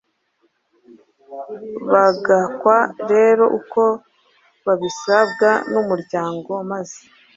Bagakwa rero uko babisabwe n’umuryango maze